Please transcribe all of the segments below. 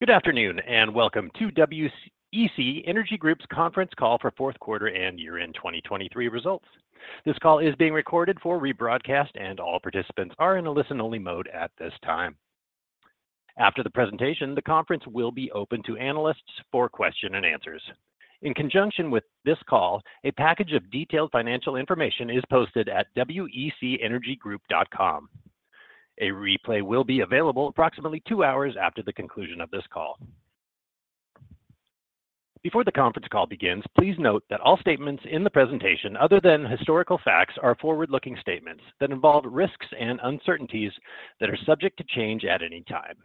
Good afternoon, and welcome to WEC Energy Group's conference call for Q4 and year-end 2023 results. This call is being recorded for rebroadcast, and all participants are in a listen-only mode at this time. After the presentation, the conference will be open to analysts for question and answers. In conjunction with this call, a package of detailed financial information is posted at wecenergygroup.com. A replay will be available approximately two hours after the conclusion of this call. Before the conference call begins, please note that all statements in the presentation, other than historical facts, are forward-looking statements that involve risks and uncertainties that are subject to change at any time.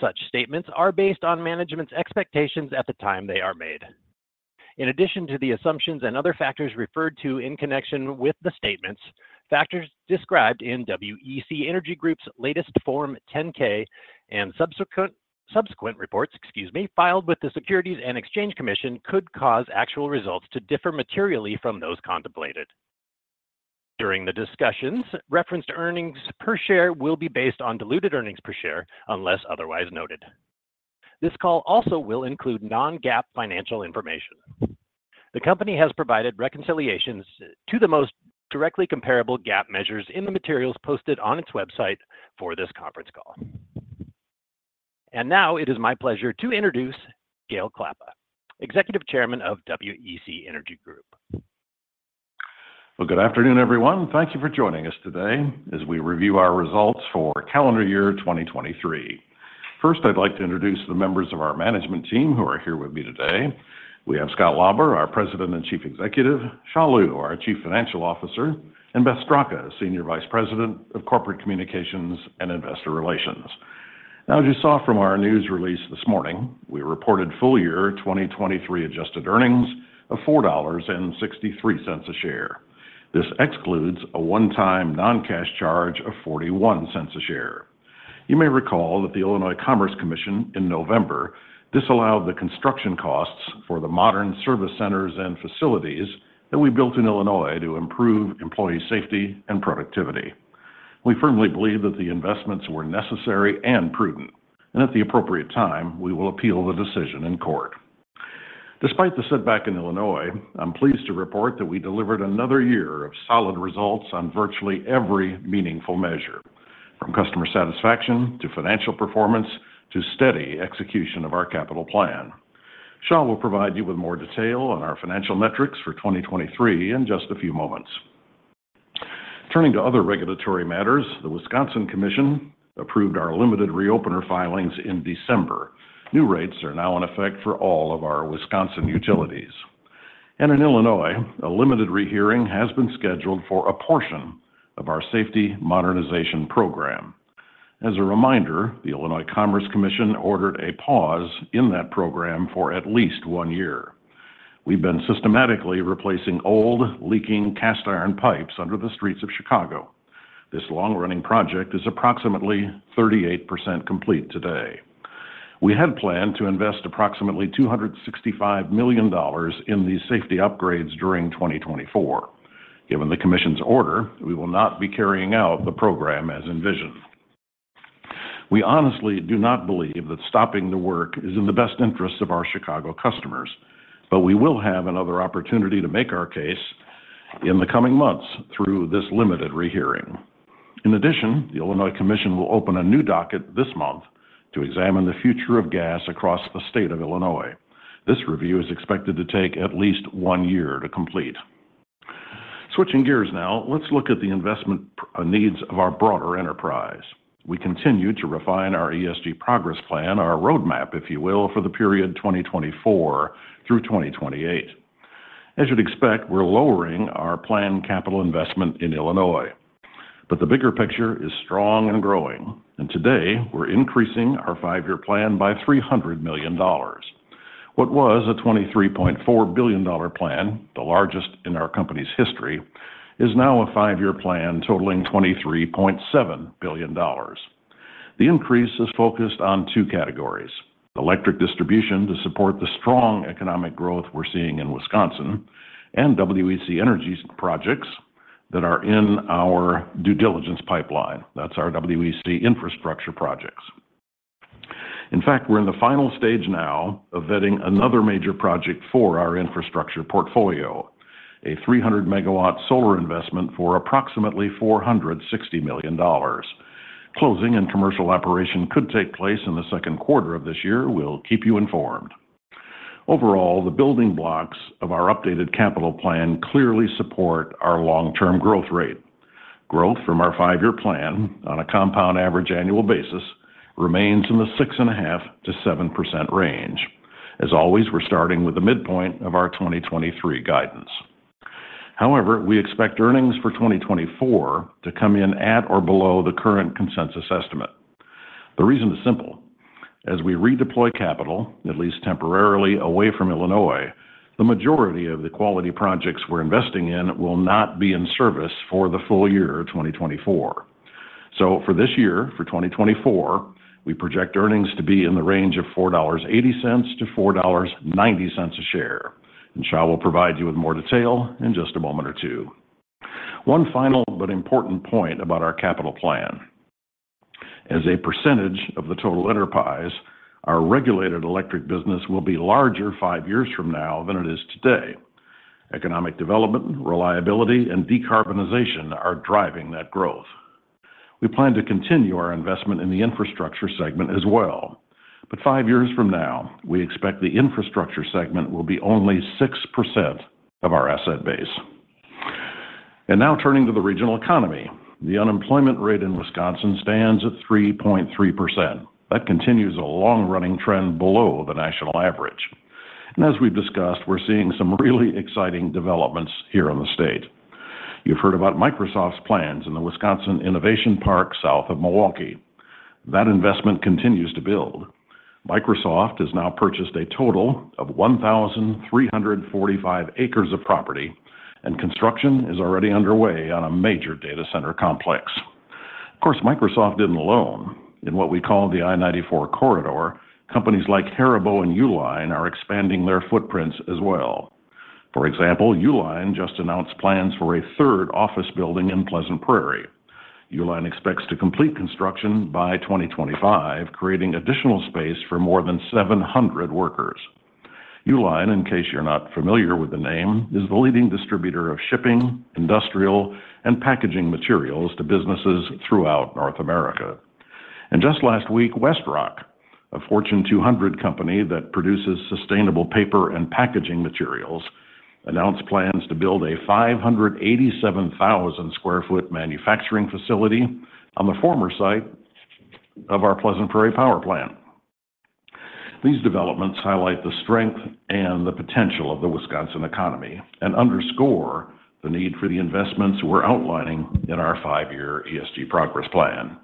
Such statements are based on management's expectations at the time they are made. In addition to the assumptions and other factors referred to in connection with the statements, factors described in WEC Energy Group's latest Form 10-K and subsequent reports, excuse me, filed with the Securities and Exchange Commission, could cause actual results to differ materially from those contemplated. During the discussions, referenced earnings per share will be based on diluted earnings per share unless otherwise noted. This call also will include non-GAAP financial information. The company has provided reconciliations to the most directly comparable GAAP measures in the materials posted on its website for this conference call. And now it is my pleasure to introduce Gale Klappa, Executive Chairman of WEC Energy Group. Well, good afternoon, everyone. Thank you for joining us today as we review our results for calendar year 2023. First, I'd like to introduce the members of our management team who are here with me today. We have Scott Lauber, our President and Chief Executive, Xia Liu, our Chief Financial Officer, and Beth Straka, Senior Vice President of Corporate Communications and Investor Relations. Now, as you saw from our news release this morning, we reported full year 2023 adjusted earnings of $4.63 a share. This excludes a one-time non-cash charge of $0.41 a share. You may recall that the Illinois Commerce Commission in November disallowed the construction costs for the modern service centers and facilities that we built in Illinois to improve employee safety and productivity. We firmly believe that the investments were necessary and prudent, and at the appropriate time, we will appeal the decision in court. Despite the setback in Illinois, I'm pleased to report that we delivered another year of solid results on virtually every meaningful measure, from customer satisfaction to financial performance, to steady execution of our capital plan. Xia will provide you with more detail on our financial metrics for 2023 in just a few moments. Turning to other regulatory matters, the Wisconsin Commission approved our limited reopener filings in December. New rates are now in effect for all of our Wisconsin utilities. And in Illinois, a limited rehearing has been scheduled for a portion of our Safety Modernization Program. As a reminder, the Illinois Commerce Commission ordered a pause in that program for at least one year. We've been systematically replacing old, leaking cast iron pipes under the streets of Chicago. This long-running project is approximately 38% complete today. We had planned to invest approximately $265 million in these safety upgrades during 2024. Given the Commission's order, we will not be carrying out the program as envisioned. We honestly do not believe that stopping the work is in the best interest of our Chicago customers, but we will have another opportunity to make our case in the coming months through this limited rehearing. In addition, the Illinois Commission will open a new docket this month to examine the future of gas across the state of Illinois. This review is expected to take at least one year to complete. Switching gears now, let's look at the investment needs of our broader enterprise. We continue to refine our ESG Progress Plan, our roadmap, if you will, for the period 2024 through 2028. As you'd expect, we're lowering our planned capital investment in Illinois, but the bigger picture is strong and growing, and today we're increasing our five-year plan by $300 million. What was a $23.4 billion plan, the largest in our company's history, is now a five-year plan totaling $23.7 billion. The increase is focused on two categories: electric distribution to support the strong economic growth we're seeing in Wisconsin, and WEC Energy's projects that are in our due diligence pipeline. That's our WEC infrastructure projects. In fact, we're in the final stage now of vetting another major project for our infrastructure portfolio, a 300-megawatt solar investment for approximately $460 million. Closing and commercial operation could take place in Q2 of this year. We'll keep you informed. Overall, the building blocks of our updated capital plan clearly support our long-term growth rate. Growth from our five-year plan on a compound average annual basis remains in the 6.5%-7% range. As always, we're starting with the midpoint of our 2023 guidance. However, we expect earnings for 2024 to come in at or below the current consensus estimate. The reason is simple. As we redeploy capital, at least temporarily, away from Illinois, the majority of the quality projects we're investing in will not be in service for the full year 2024. So for this year, for 2024, we project earnings to be in the range of $4.80-$4.90 a share, and Xia will provide you with more detail in just a moment or two. One final but important point about our capital plan. As a percentage of the total enterprise, our regulated electric business will be larger five years from now than it is today. Economic development, reliability, and decarbonization are driving that growth. We plan to continue our investment in the infrastructure segment as well, but five years from now, we expect the infrastructure segment will be only 6% of our asset base. And now turning to the regional economy, the unemployment rate in Wisconsin stands at 3.3%. That continues a long-running trend below the national average. As we've discussed, we're seeing some really exciting developments here in the state. You've heard about Microsoft's plans in the Wisconsin Innovation Park, south of Milwaukee. That investment continues to build. Microsoft has now purchased a total of 1,345 acres of property, and construction is already underway on a major data center complex. Of course, Microsoft isn't alone. In what we call the I-94 Corridor, companies like Haribo and Uline are expanding their footprints as well. For example, Uline just announced plans for a third office building in Pleasant Prairie. Uline expects to complete construction by 2025, creating additional space for more than 700 workers. Uline, in case you're not familiar with the name, is the leading distributor of shipping, industrial, and packaging materials to businesses throughout North America. Just last week, WestRock, a Fortune 200 company that produces sustainable paper and packaging materials, announced plans to build a 587,000 sq ft manufacturing facility on the former site of our Pleasant Prairie Power Plant. These developments highlight the strength and the potential of the Wisconsin economy and underscore the need for the investments we're outlining in our 5-year ESG progress plan.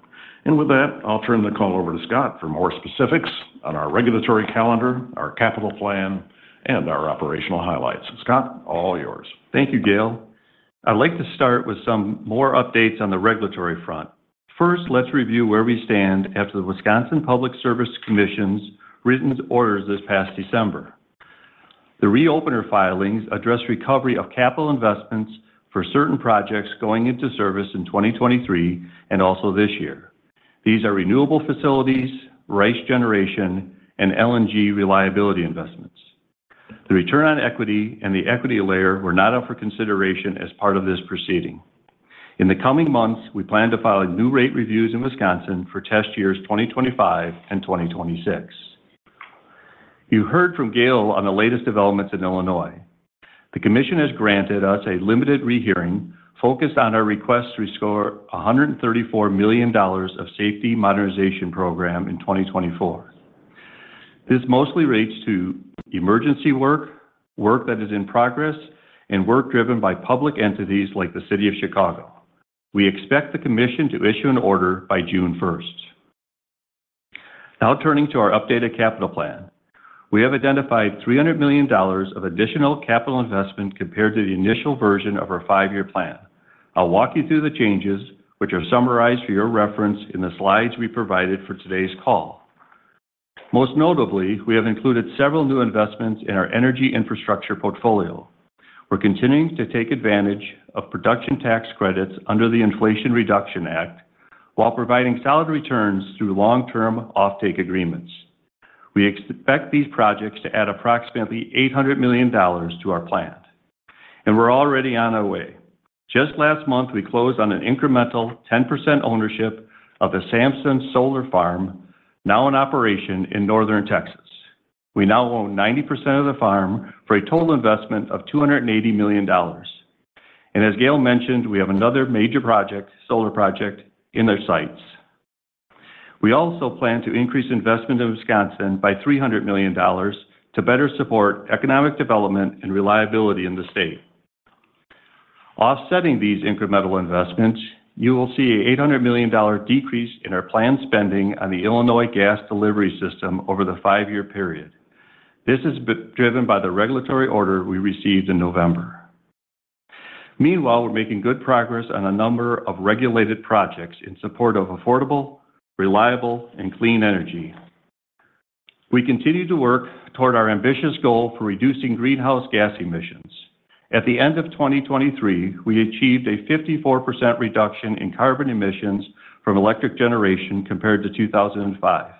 With that, I'll turn the call over to Scott for more specifics on our regulatory calendar, our capital plan, and our operational highlights. Scott, all yours. Thank you, Gale. I'd like to start with some more updates on the regulatory front. First, let's review where we stand after the Public Service Commission of Wisconsin's written orders this past December. The reopener filings address recovery of capital investments for certain projects going into service in 2023 and also this year. These are renewable facilities, RICE generation, and LNG reliability investments. The return on equity and the equity layer were not up for consideration as part of this proceeding. In the coming months, we plan to file new rate reviews in Wisconsin for test years 2025 and 2026. You heard from Gale on the latest developments in Illinois. The commission has granted us a limited rehearing focused on our request to restore $134 million of Safety Modernization Program in 2024.This mostly relates to emergency work, work that is in progress, and work driven by public entities like the City of Chicago. We expect the commission to issue an order by June first. Now turning to our updated capital plan. We have identified $300 million of additional capital investment compared to the initial version of our five-year plan. I'll walk you through the changes, which are summarized for your reference in the slides we provided for today's call. Most notably, we have included several new investments in our energy infrastructure portfolio. We're continuing to take advantage of production tax credits under the Inflation Reduction Act, while providing solid returns through long-term offtake agreements. We expect these projects to add approximately $800 million to our plan, and we're already on our way. Just last month, we closed on an incremental 10% ownership of the Samson Solar Farm, now in operation in northern Texas. We now own 90% of the farm for a total investment of $280 million. As Gale mentioned, we have another major project, solar project in their sights. We also plan to increase investment in Wisconsin by $300 million to better support economic development and reliability in the state. Offsetting these incremental investments, you will see an $800 million decrease in our planned spending on the Illinois gas delivery system over the 5-year period. This is being driven by the regulatory order we received in November. Meanwhile, we're making good progress on a number of regulated projects in support of affordable, reliable, and clean energy. We continue to work toward our ambitious goal for reducing greenhouse gas emissions. At the end of 2023, we achieved a 54% reduction in carbon emissions from electric generation compared to 2005.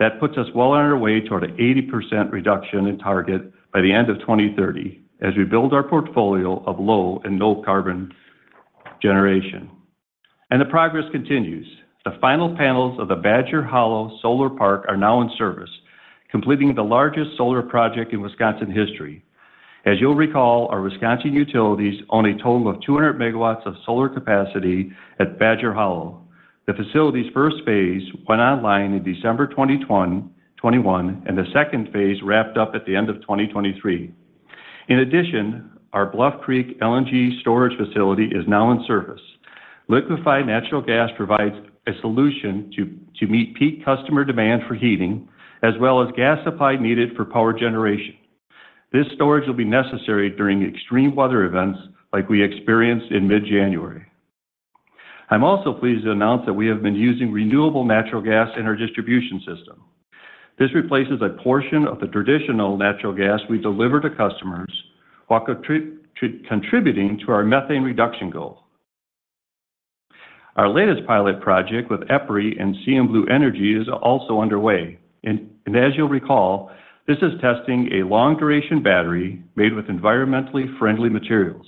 That puts us well on our way toward an 80% reduction in target by the end of 2030, as we build our portfolio of low and no carbon generation. The progress continues. The final panels of the Badger Hollow Solar Park are now in service, completing the largest solar project in Wisconsin history. As you'll recall, our Wisconsin utilities own a total of 200 MW of solar capacity at Badger Hollow. The facility's first phase went online in December 2021, and the second phase wrapped up at the end of 2023. In addition, our Bluff Creek LNG storage facility is now in service. Liquefied natural gas provides a solution to meet peak customer demand for heating, as well as gas supply needed for power generation. This storage will be necessary during extreme weather events like we experienced in mid-January.... I'm also pleased to announce that we have been using renewable natural gas in our distribution system. This replaces a portion of the traditional natural gas we deliver to customers, while contributing to our methane reduction goal. Our latest pilot project with EPRI and CMBlu Energy is also underway. As you'll recall, this is testing a long-duration battery made with environmentally friendly materials.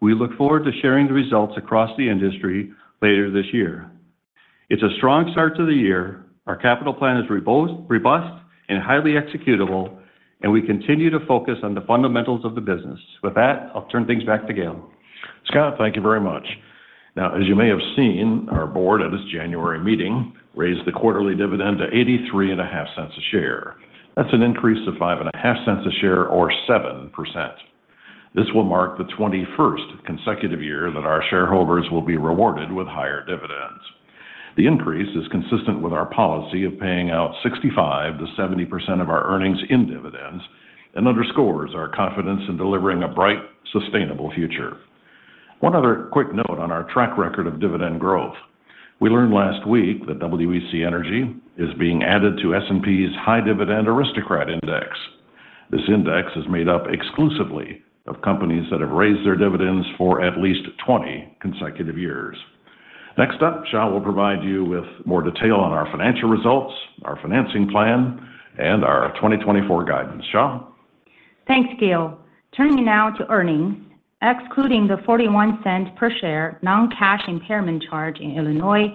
We look forward to sharing the results across the industry later this year. It's a strong start to the year. Our capital plan is robust and highly executable, and we continue to focus on the fundamentals of the business. With that, I'll turn things back to Gale. Scott, thank you very much. Now, as you may have seen, our board at its January meeting raised the quarterly dividend to $0.835 a share. That's an increase of $0.055 a share or 7%. This will mark the 21st consecutive year that our shareholders will be rewarded with higher dividends. The increase is consistent with our policy of paying out 65%-70% of our earnings in dividends and underscores our confidence in delivering a bright, sustainable future. One other quick note on our track record of dividend growth. We learned last week that WEC Energy is being added to S&P's High Dividend Aristocrat Index. This index is made up exclusively of companies that have raised their dividends for at least 20 consecutive years. Next up, Xia will provide you with more detail on our financial results, our financing plan, and our 2024 guidance. Xia? Thanks, Gale. Turning now to earnings. Excluding the 41-cent per share non-cash impairment charge in Illinois,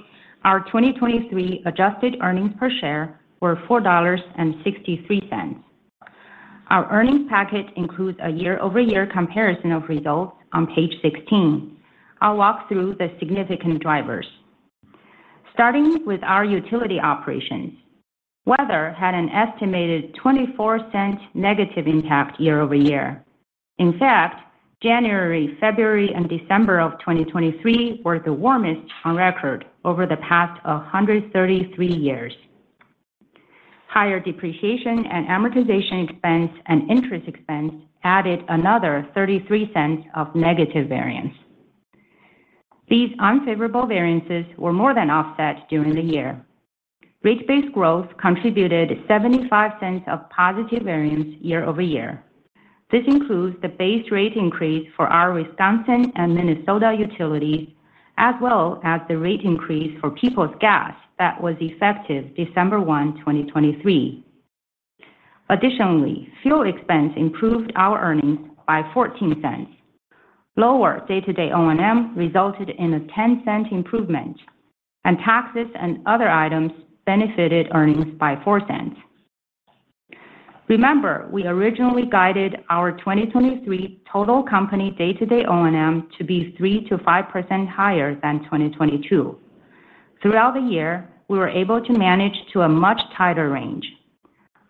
our 2023 adjusted earnings per share were $4.63. Our earnings package includes a year-over-year comparison of results on page 16. I'll walk through the significant drivers. Starting with our utility operations, weather had an estimated $0.24 negative impact year-over-year. In fact, January, February, and December of 2023 were the warmest on record over the past 133 years. Higher depreciation and amortization expense and interest expense added another $0.33 of negative variance. These unfavorable variances were more than offset during the year. Rate-based growth contributed $0.75 of positive variance year-over-year. This includes the base rate increase for our Wisconsin and Minnesota utilities, as well as the rate increase for Peoples Gas that was effective December 1, 2023. Additionally, fuel expense improved our earnings by $0.14. Lower day-to-day O&M resulted in a $0.10 improvement, and taxes and other items benefited earnings by $0.04. Remember, we originally guided our 2023 total company day-to-day O&M to be 3%-5% higher than 2022. Throughout the year, we were able to manage to a much tighter range.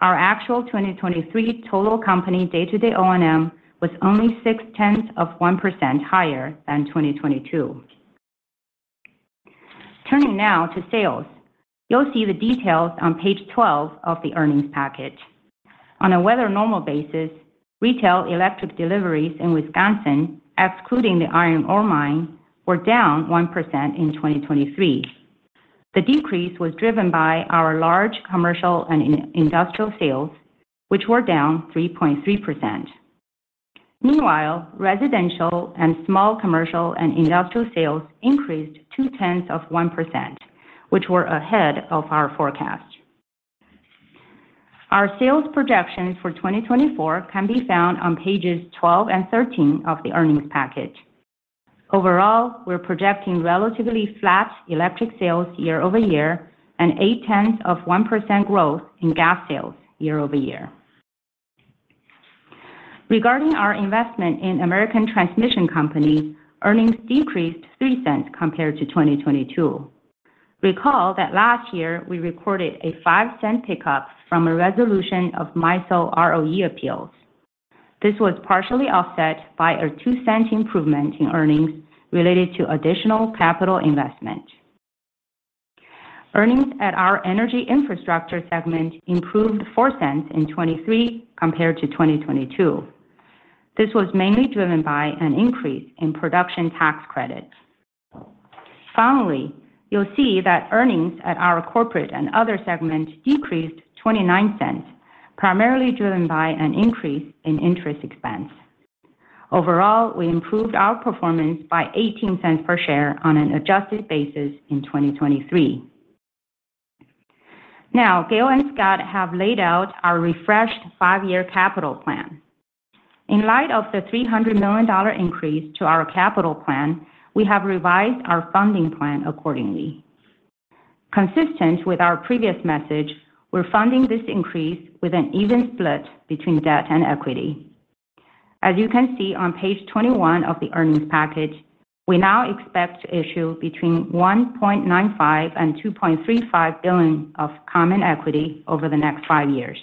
Our actual 2023 total company day-to-day O&M was only 0.6% higher than 2022. Turning now to sales. You'll see the details on page 12 of the earnings package. On a weather normal basis, retail electric deliveries in Wisconsin, excluding the iron ore mine, were down 1% in 2023. The decrease was driven by our large commercial and industrial sales, which were down 3.3%.Meanwhile, residential and small commercial and industrial sales increased 0.2%, which were ahead of our forecast. Our sales projections for 2024 can be found on pages 12 and 13 of the earnings package. Overall, we're projecting relatively flat electric sales year-over-year and 0.8% growth in gas sales year-over-year. Regarding our investment in American Transmission Company, earnings decreased $0.03 compared to 2022. Recall that last year we recorded a $0.05 pickup from a resolution of MISO ROE appeals. This was partially offset by a $0.02 improvement in earnings related to additional capital investment. Earnings at our energy infrastructure segment improved $0.04 in 2023 compared to 2022. This was mainly driven by an increase in production tax credits. Finally, you'll see that earnings at our corporate and other segments decreased $0.29, primarily driven by an increase in interest expense. Overall, we improved our performance by $0.18 per share on an adjusted basis in 2023. Now, Gale and Scott have laid out our refreshed five-year capital plan. In light of the $300 million increase to our capital plan, we have revised our funding plan accordingly. Consistent with our previous message, we're funding this increase with an even split between debt and equity. As you can see on page 21 of the earnings package, we now expect to issue between $1.95 billion and $2.35 billion of common equity over the next five years.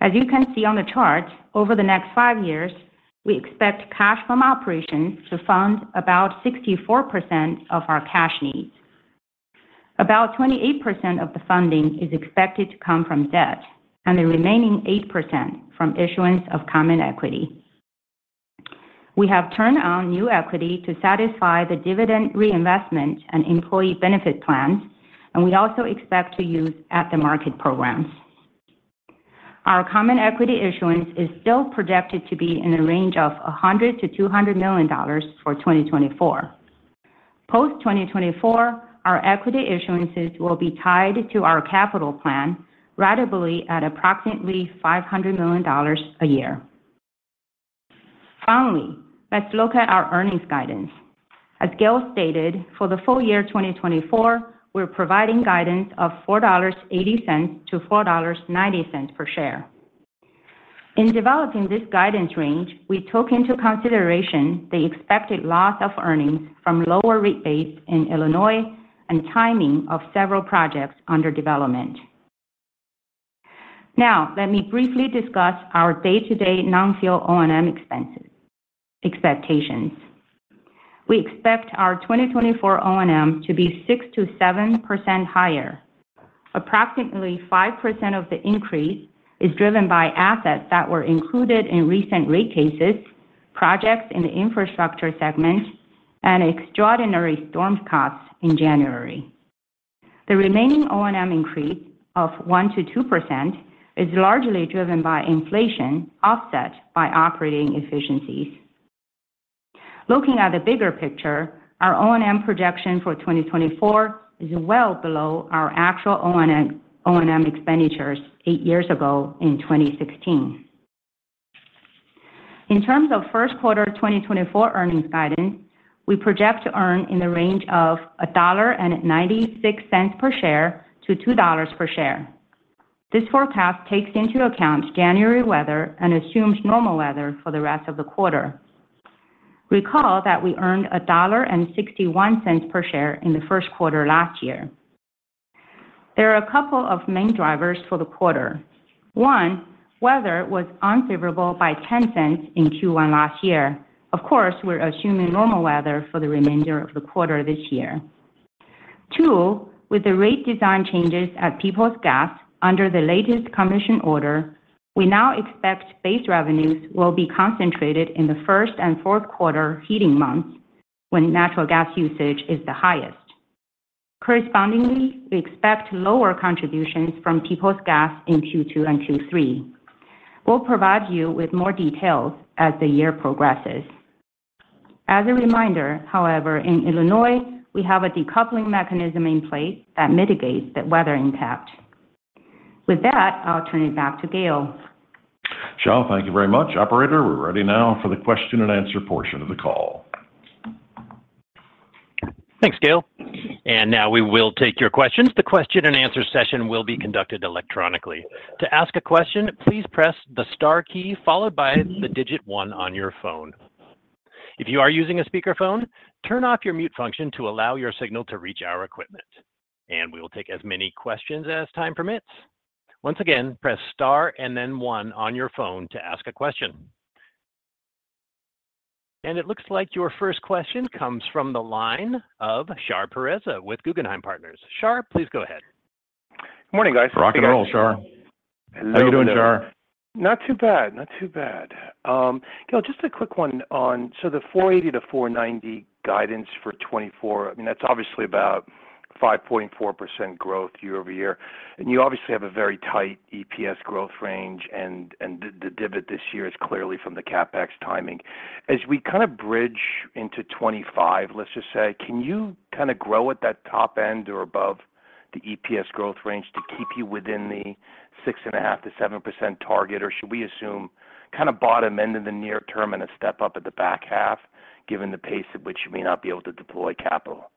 As you can see on the chart, over the next five years, we expect cash from operations to fund about 64% of our cash needs. About 28% of the funding is expected to come from debt, and the remaining 8% from issuance of common equity. We have turned on new equity to satisfy the dividend reinvestment and employee benefit plans, and we also expect to use at-the-market programs. Our common equity issuance is still projected to be in the range of $100 million-$200 million for 2024. Post 2024, our equity issuances will be tied to our capital plan, ratably at approximately $500 million a year. Finally, let's look at our earnings guidance. As Gale stated, for the full year 2024, we're providing guidance of $4.80-$4.90 per share. In developing this guidance range, we took into consideration the expected loss of earnings from lower rate base in Illinois and timing of several projects under development. Now, let me briefly discuss our day-to-day non-fuel O&M expenses expectations. We expect our 2024 O&M to be 6%-7% higher. Approximately 5% of the increase is driven by assets that were included in recent rate cases, projects in the infrastructure segment, and extraordinary storm costs in January. The remaining O&M increase of 1%-2% is largely driven by inflation, offset by operating efficiencies. Looking at the bigger picture, our O&M projection for 2024 is well below our actual O&M, O&M expenditures 8 years ago in 2016. In terms of Q1 2024 earnings guidance, we project to earn in the range of $1.96-$2 per share. This forecast takes into account January weather and assumes normal weather for the rest of the quarter. Recall that we earned $1.61 per share in Q1 last year. There are a couple of main drivers for the quarter. One, weather was unfavorable by $0.10 in Q1 last year. Of course, we're assuming normal weather for the remainder of the quarter this year. Two, with the rate design changes at Peoples Gas under the latest commission order, we now expect base revenues will be concentrated in Q1 and Q4 heating months, when natural gas usage is the highest. Correspondingly, we expect lower contributions from Peoples Gas in Q2 and Q3. We'll provide you with more details as the year progresses. As a reminder, however, in Illinois, we have a decoupling mechanism in place that mitigates the weather impact. With that, I'll turn it back to Gale. Xia, thank you very much. Operator, we're ready now for the question and answer portion of the call. Thanks, Gale. And now we will take your questions. The question and answer session will be conducted electronically. To ask a question, please press the star key, followed by the digit one on your phone. If you are using a speakerphone, turn off your mute function to allow your signal to reach our equipment. And we will take as many questions as time permits. Once again, press Star and then one on your phone to ask a question. And it looks like your first question comes from the line of Shar Pourreza with Guggenheim Partners. Shar, please go ahead. Good morning, guys. Rock and roll, Shar. How you doing, Shar? Not too bad. Not too bad. Gale, just a quick one on... So the $4.80-$4.90 guidance for 2024, I mean, that's obviously about 5.4% growth year-over-year, and you obviously have a very tight EPS growth range, and the dividend this year is clearly from the CapEx timing. As we kind of bridge into 2025, let's just say, can you kind of grow at that top end or above the EPS growth range to keep you within the 6.5%-7% target? Or should we assume kind of bottom end in the near term and a step up at the back half, given the pace at which you may not be able to deploy capital?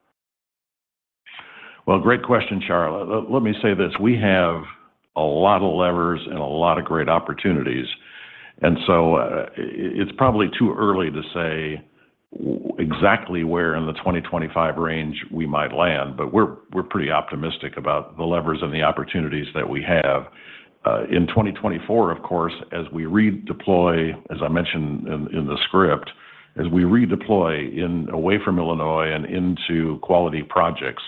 Well, great question, Shar. Let me say this: we have a lot of levers and a lot of great opportunities, and so it's probably too early to say exactly where in the 2025 range we might land, but we're, we're pretty optimistic about the levers and the opportunities that we have. In 2024, of course, as we redeploy, as I mentioned in, in the script, as we redeploy away from Illinois and into quality projects,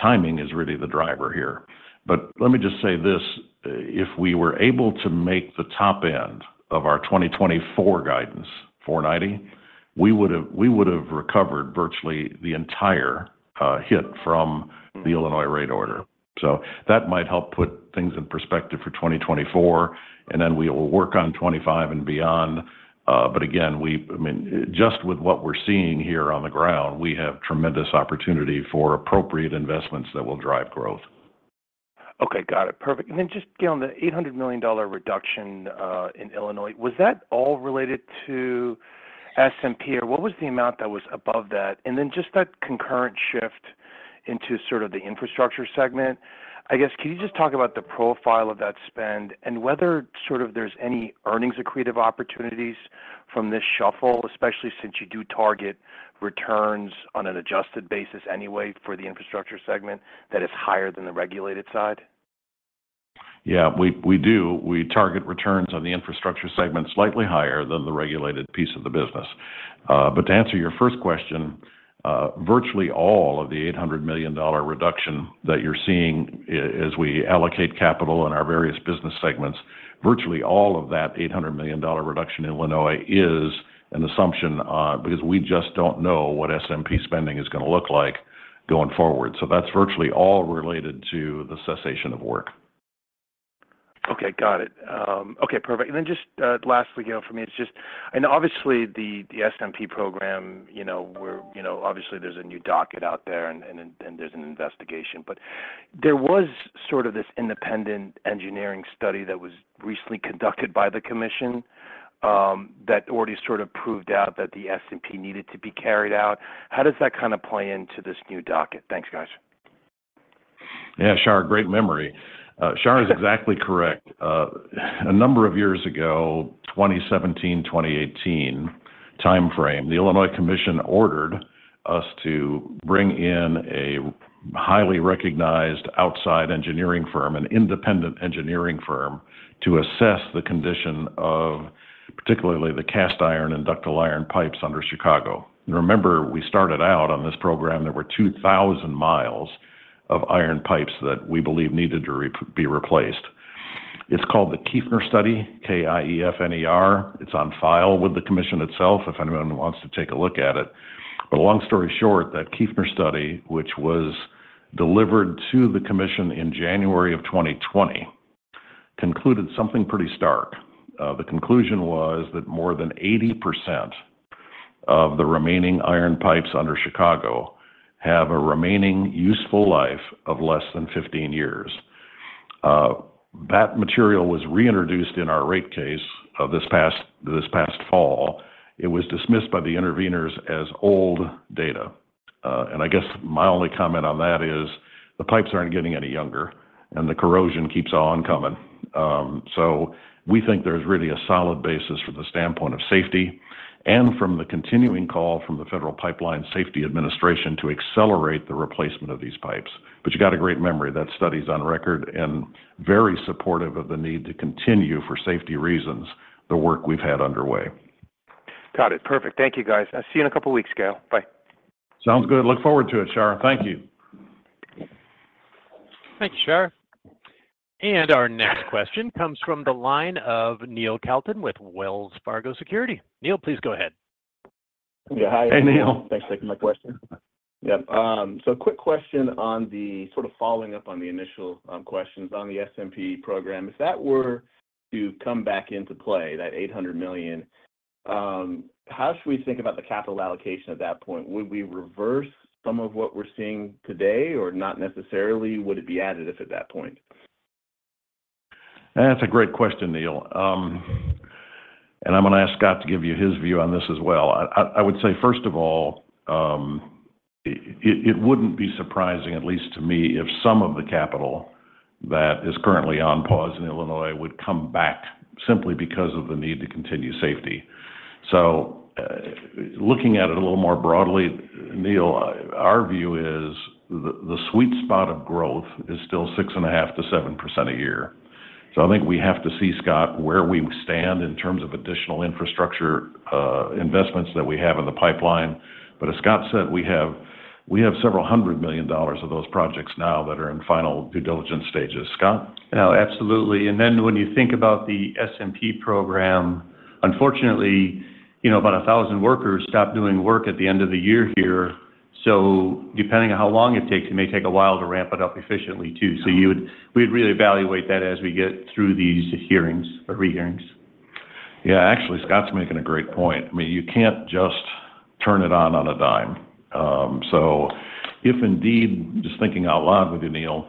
timing is really the driver here. But let me just say this: if we were able to make the top end of our 2024 guidance, $4.90, we would've, we would've recovered virtually the entire hit from the Illinois rate order. So that might help put things in perspective for 2024, and then we will work on 2025 and beyond. But again, I mean, just with what we're seeing here on the ground, we have tremendous opportunity for appropriate investments that will drive growth. Okay, got it. Perfect. And then just, Gale, on the $800 million reduction in Illinois, was that all related to SMP, or what was the amount that was above that? And then just that concurrent shift into sort of the infrastructure segment, I guess, can you just talk about the profile of that spend and whether sort of there's any earnings-accretive opportunities from this shuffle, especially since you do target returns on an adjusted basis anyway for the infrastructure segment that is higher than the regulated side? Yeah, we do. We target returns on the infrastructure segment slightly higher than the regulated piece of the business. But to answer your first question, virtually all of the $800 million reduction that you're seeing as we allocate capital in our various business segments, virtually all of that $800 million reduction in Illinois is an assumption, because we just don't know what SMP spending is going to look like going forward. So that's virtually all related to the cessation of work. Okay, got it. Okay, perfect. And then just, lastly, you know, for me, it's just, and obviously, the SMP program, you know, we're, you know, obviously there's a new docket out there and there's an investigation. But there was sort of this independent engineering study that was recently conducted by the commission, that already sort of proved out that the SMP needed to be carried out. How does that kind of play into this new docket? Thanks, guys. Yeah, Shar, great memory. Shar is exactly correct. A number of years ago, 2017, 2018 timeframe, the Illinois Commission ordered us to bring in a highly recognized outside engineering firm, an independent engineering firm, to assess the condition of particularly the cast iron and ductile iron pipes under Chicago. Remember, we started out on this program, there were 2,000 miles of iron pipes that we believe needed to be replaced. It's called the Kiefner study, K-I-E-F-N-E-R. It's on file with the commission itself, if anyone wants to take a look at it. But long story short, that Kiefner study, which was delivered to the commission in January 2020, concluded something pretty stark. The conclusion was that more than 80% of the remaining iron pipes under Chicago have a remaining useful life of less than 15 years. That material was reintroduced in our rate case of this past fall. It was dismissed by the interveners as old data. And I guess my only comment on that is, the pipes aren't getting any younger and the corrosion keeps on coming. So we think there's really a solid basis from the standpoint of safety and from the continuing call from the Federal Pipeline Safety Administration to accelerate the replacement of these pipes. But you got a great memory. That study is on record and very supportive of the need to continue, for safety reasons, the work we've had underway. Got it. Perfect. Thank you, guys. I'll see you in a couple of weeks, Gale. Bye. Sounds good. Look forward to it, Shar. Thank you. Thank you, Shar. Our next question comes from the line of Neil Kalton with Wells Fargo Securities. Neil, please go ahead. Yeah, hi. Hey, Neil. Thanks for taking my question. Yep, so a quick question on the sort of following up on the initial questions on the SMP program. If that were to come back into play, that $800 million, how should we think about the capital allocation at that point? Would we reverse some of what we're seeing today, or not necessarily? Would it be additive at that point? That's a great question, Neil. I'm going to ask Scott to give you his view on this as well. I would say, first of all, it wouldn't be surprising, at least to me, if some of the capital that is currently on pause in Illinois would come back simply because of the need to continue safety. So, looking at it a little more broadly, Neil, our view is the sweet spot of growth is still 6.5%-7% a year. I think we have to see, Scott, where we stand in terms of additional infrastructure investments that we have in the pipeline. But as Scott said, we have several hundred million dollars of those projects now that are in final due diligence stages. Scott? Absolutely. And then when you think about the SMP program, unfortunately, you know, about 1,000 workers stopped doing work at the end of the year here. So depending on how long it takes, it may take a while to ramp it up efficiently, too. So you would--we'd really evaluate that as we get through these hearings or hearings. Yeah, actually, Scott's making a great point. I mean, you can't just turn it on on a dime. So if indeed, just thinking out loud with you, Neil,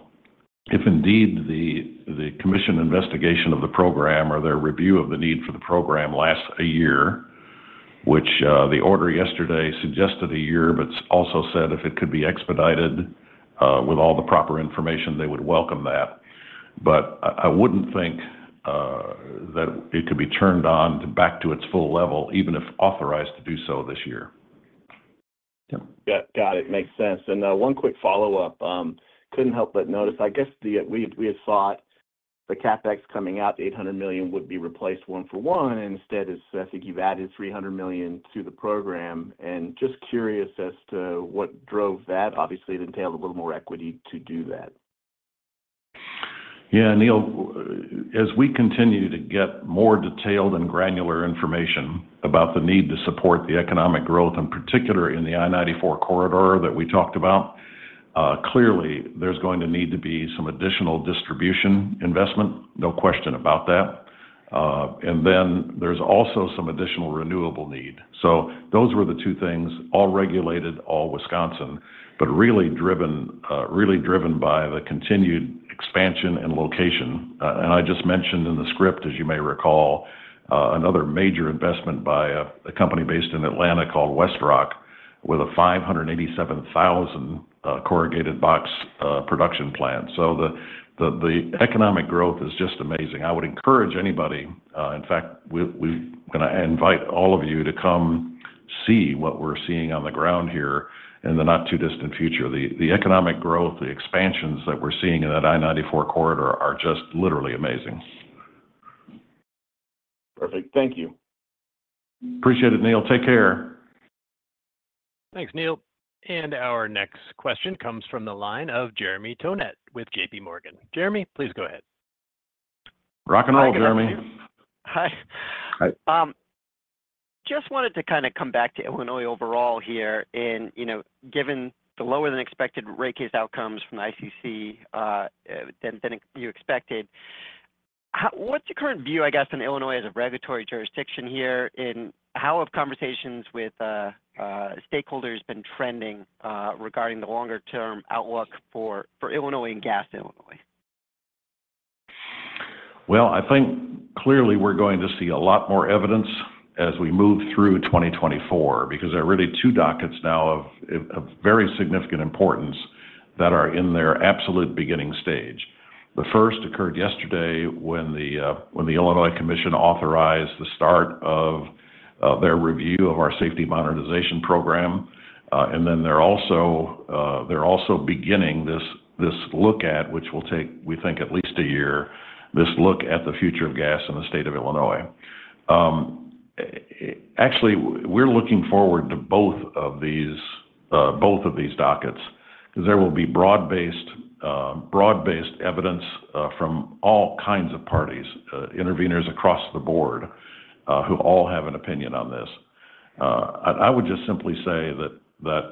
if indeed the, the commission investigation of the program or their review of the need for the program lasts a year, which, the order yesterday suggested a year, but it's also said if it could be expedited, with all the proper information, they would welcome that. But I, I wouldn't think, that it could be turned on back to its full level, even if authorized to do so this year. Yeah. Got it. Makes sense. And one quick follow-up. Couldn't help but notice I guess the we had thought the CapEx coming out, the $800 million, would be replaced one for one. Instead, it's, I think you've added $300 million to the program, and just curious as to what drove that. Obviously, it entailed a little more equity to do that. Yeah, Neil, as we continue to get more detailed and granular information about the need to support the economic growth, in particular in the I-94 corridor that we talked about, clearly there's going to need to be some additional distribution investment. No question about that. And then there's also some additional renewable need. So those were the two things, all regulated, all Wisconsin, but really driven by the continued expansion and location. And I just mentioned in the script, as you may recall, another major investment by a company based in Atlanta called WestRock, with a 587,000 corrugated box production plant. So the economic growth is just amazing. I would encourage anybody, in fact, we gonna invite all of you to come see what we're seeing on the ground here in the not-too-distant future. The economic growth, the expansions that we're seeing in that I-94 Corridor are just literally amazing. Perfect. Thank you. Appreciate it, Neil. Take care. Thanks, Neil. And our next question comes from the line of Jeremy Tonet with JPMorgan. Jeremy, please go ahead. Rock and roll, Jeremy. Hi, good afternoon. Hi. Hi. Just wanted to kind of come back to Illinois overall here, and, you know, given the lower-than-expected rate case outcomes from the ICC than you expected, what's your current view, I guess, on Illinois as a regulatory jurisdiction here, and how have conversations with stakeholders been trending regarding the longer-term outlook for Illinois and gas Illinois? Well, I think clearly we're going to see a lot more evidence as we move through 2024, because there are really two dockets now of very significant importance that are in their absolute beginning stage. The first occurred yesterday when the Illinois Commission authorized the start of their review of our Safety Modernization Program. And then they're also beginning this look at, which will take, we think, at least a year, this look at the future of gas in the state of Illinois. Actually, we're looking forward to both of these dockets because there will be broad-based evidence from all kinds of parties, interveners across the board, who all have an opinion on this. I would just simply say that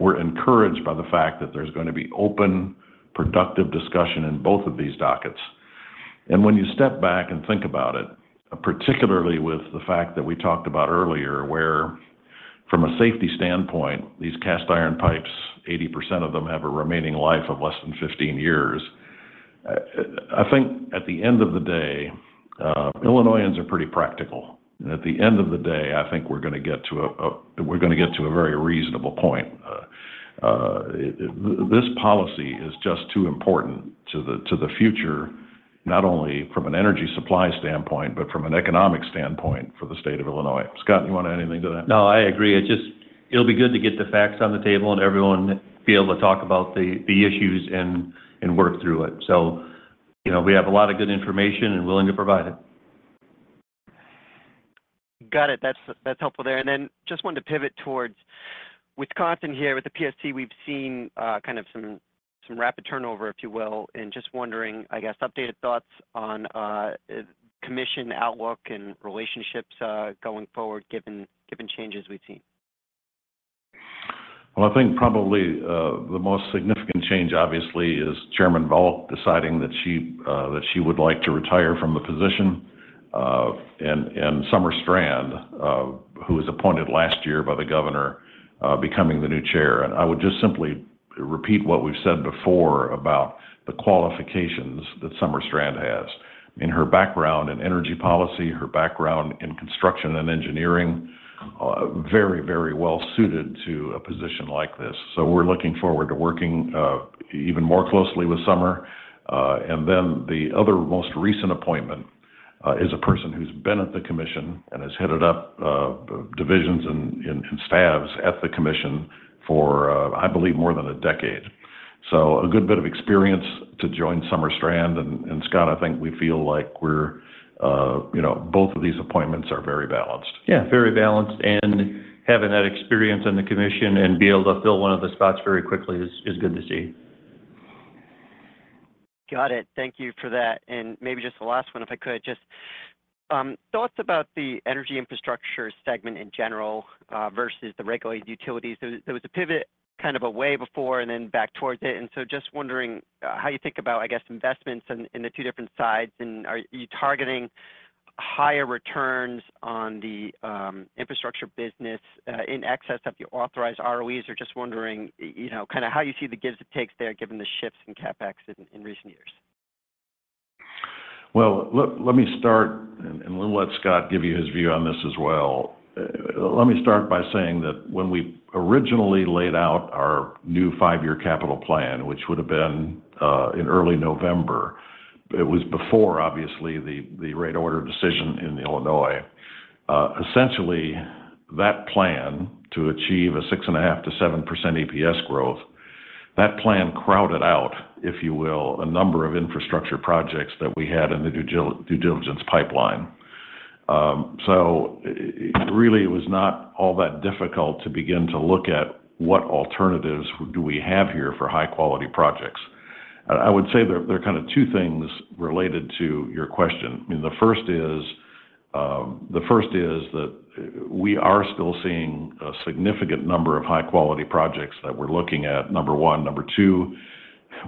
we're encouraged by the fact that there's gonna be open, productive discussion in both of these dockets. And when you step back and think about it, particularly with the fact that we talked about earlier, where from a safety standpoint, these cast iron pipes, 80% of them have a remaining life of less than 15 years. I think at the end of the day, Illinoisans are pretty practical. At the end of the day, I think we're gonna get to a very reasonable point. This policy is just too important to the future, not only from an energy supply standpoint, but from an economic standpoint for the state of Illinois. Scott, you want to add anything to that? No, I agree. It just. It'll be good to get the facts on the table, and everyone be able to talk about the issues and work through it. So, you know, we have a lot of good information and willing to provide it. Got it. That's, that's helpful there. And then just wanted to pivot towards Wisconsin here. With the PSC, we've seen, kind of some, some rapid turnover, if you will, and just wondering, I guess, updated thoughts on, commission outlook and relationships, going forward, given, given changes we've seen. Well, I think probably, the most significant change, obviously, is Chairman Valcq deciding that she, that she would like to retire from the position, and, and Summer Strand, who was appointed last year by the governor, becoming the new chair. And I would just simply repeat what we've said before about the qualifications that Summer Strand has in her background in energy policy, her background in construction and engineering, very, very well suited to a position like this. So we're looking forward to working, even more closely with Summer. And then the other most recent appointment, is a person who's been at the commission and has headed up, divisions and, and staffs at the commission for, I believe, more than a decade. So a good bit of experience to join Summer Strand. Scott, I think we feel like we're, you know, both of these appointments are very balanced. Yeah, very balanced, and having that experience in the commission and be able to fill one of the spots very quickly is good to see. Got it. Thank you for that, and maybe just the last one, if I could. Just thoughts about the energy infrastructure segment in general versus the regulated utilities. There was a pivot kind of away before and then back towards it, and so just wondering how you think about, I guess, investments in the two different sides, and are you targeting higher returns on the infrastructure business in excess of the authorized ROEs? Or just wondering, you know, kind of how you see the give and takes there, given the shifts in CapEx in recent years. Well, let me start, and we'll let Scott give you his view on this as well. Let me start by saying that when we originally laid out our new five-year capital plan, which would have been in early November, it was before, obviously, the rate order decision in Illinois. Essentially, that plan to achieve a 6.5%-7% EPS growth, that plan crowded out, if you will, a number of infrastructure projects that we had in the due diligence pipeline. So really, it was not all that difficult to begin to look at what alternatives do we have here for high-quality projects. I would say there are kind of two things related to your question. I mean, the first is that we are still seeing a significant number of high-quality projects that we're looking at, number one. Number two,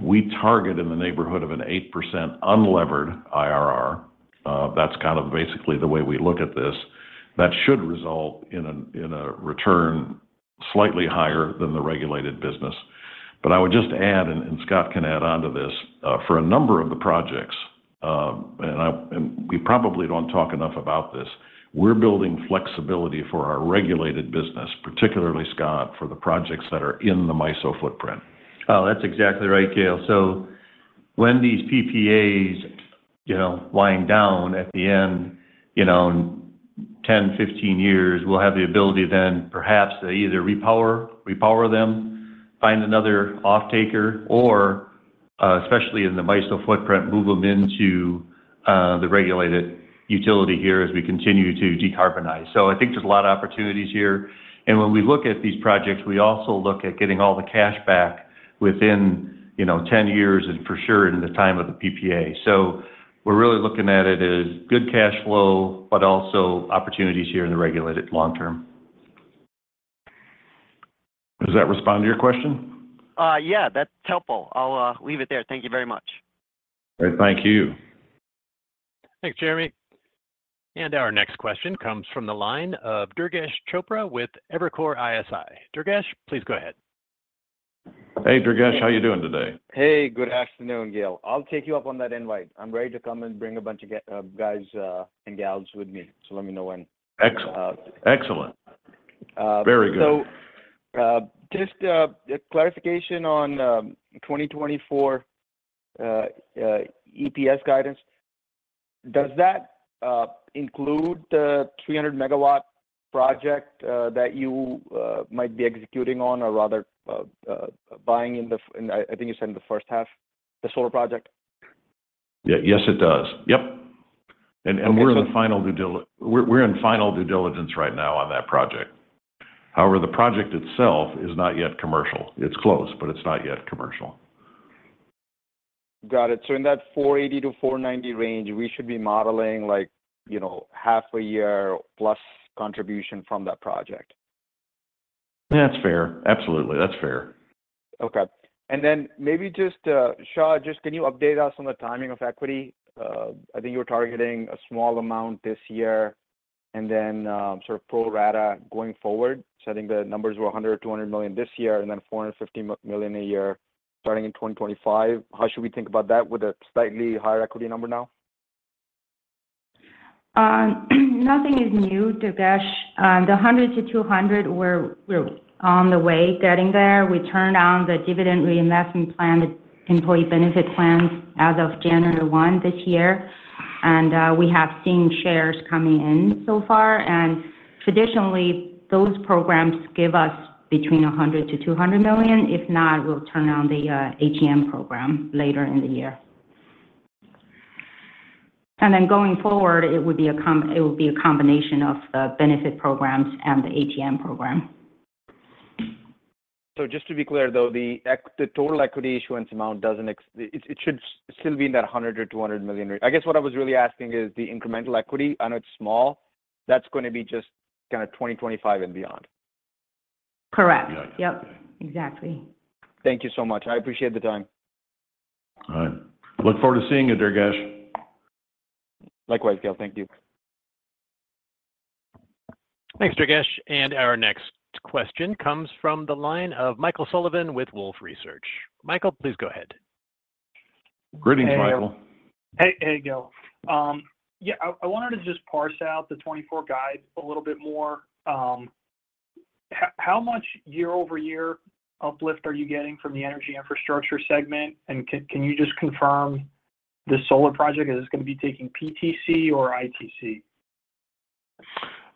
we target in the neighborhood of an 8% unlevered IRR. That's kind of basically the way we look at this. That should result in a return slightly higher than the regulated business. But I would just add, and Scott can add on to this, for a number of the projects, and we probably don't talk enough about this, we're building flexibility for our regulated business, particularly, Scott, for the projects that are in the MISO footprint. Oh, that's exactly right, Gale. So, when these PPAs, you know, wind down at the end, you know, in 10, 15 years, we'll have the ability then perhaps to either repower, repower them, find another offtaker, or, especially in the MISO footprint, move them into the regulated utility here as we continue to decarbonize. So I think there's a lot of opportunities here. And when we look at these projects, we also look at getting all the cash back within, you know, 10 years and for sure in the time of the PPA. So we're really looking at it as good cash flow, but also opportunities here in the regulated long term. Does that respond to your question? Yeah, that's helpful. I'll leave it there. Thank you very much. Great. Thank you. Thanks, Jeremy. Our next question comes from the line of Durgesh Chopra with Evercore ISI. Durgesh, please go ahead. Hey, Durgesh, how are you doing today? Hey, good afternoon, Gale. I'll take you up on that invite. I'm ready to come and bring a bunch of guys and girls with me, so let me know when. Excellent. Uh- Excellent. Uh- Very good. So, just a clarification on 2024 EPS guidance. Does that include the 300-MW project that you might be executing on, or rather buying in the first half, and I think you said in the first half, the solar project? Yeah. Yes, it does. Yep. Okay. We're in final due diligence right now on that project. However, the project itself is not yet commercial. It's close, but it's not yet commercial. Got it. So in that $4.80-$4.90 range, we should be modeling, like, you know, half a year plus contribution from that project? That's fair. Absolutely, that's fair. Okay. And then maybe just, Xia, just can you update us on the timing of equity? I think you were targeting a small amount this year, and then, sort of pro rata going forward. So I think the numbers were $100 million-$200 million this year, and then $450 million a year starting in 2025. How should we think about that with a slightly higher equity number now? Nothing is new, Durgesh. The $100 million-$200 million, we're on the way, getting there. We turned on the dividend reinvestment plan, the employee benefit plans, as of January one this year, and we have seen shares coming in so far. Traditionally, those programs give us between $100 million-$200 million. If not, we'll turn on the ATM program later in the year. Then going forward, it would be a com-- it would be a combination of the benefit programs and the ATM program. So just to be clear, though, the total equity issuance amount doesn't. It should still be in that $100 million-$200 million range. I guess what I was really asking is the incremental equity, I know it's small, that's gonna be just kind of 2025 and beyond? Correct. Yeah. Yep, exactly. Thank you so much. I appreciate the time. All right. Look forward to seeing you, Durgesh. Likewise, Gale. Thank you. Thanks, Durgesh. Our next question comes from the line of Michael Sullivan with Wolfe Research. Michael, please go ahead. Greetings, Michael. Hey. Hey, hey, Gale. Yeah, I wanted to just parse out the 2024 guide a little bit more. How much year-over-year uplift are you getting from the energy infrastructure segment? And can you just confirm the solar project, is this gonna be taking PTC or ITC?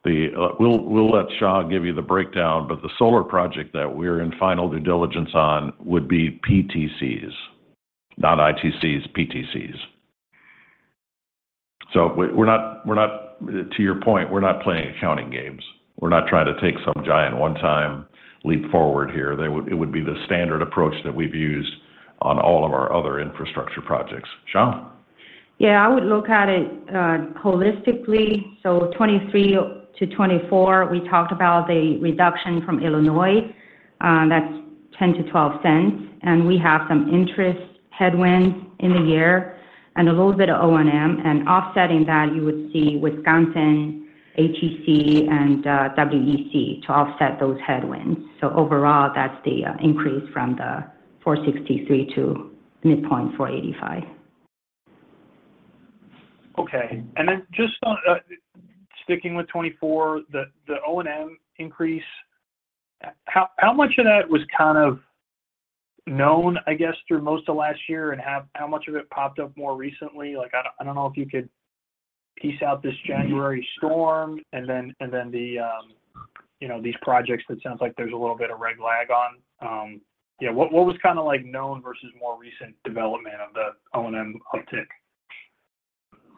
We'll let Xia give you the breakdown, but the solar project that we're in final due diligence on would be PTCs, not ITCs, PTCs. So we're not, to your point, we're not playing accounting games. We're not trying to take some giant one-time leap forward here. It would be the standard approach that we've used on all of our other infrastructure projects. Xia? Yeah, I would look at it holistically. So 2023-2024, we talked about the reduction from Illinois, that's $0.10-$0.12, and we have some interest headwind in the year and a little bit of O&M. And offsetting that, you would see Wisconsin, ATC, and WEC to offset those headwinds. So overall, that's the increase from the $4.63 to midpoint $4.85. Okay. And then just on sticking with 2024, the O&M increase, how much of that was kind of known, I guess, through most of last year, and how much of it popped up more recently? Like, I don't know if you could piece out this January storm and then, and then the, you know, these projects that sounds like there's a little bit of reg lag on. Yeah, what was kind of like known versus more recent development of the O&M uptick?